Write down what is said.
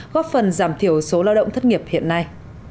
góp phần giảm thiểu số lao động thất nghiệp hiện nay